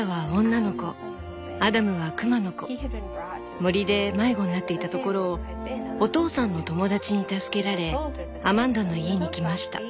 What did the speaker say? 森で迷子になっていたところをお父さんの友達に助けられアマンダの家に来ました。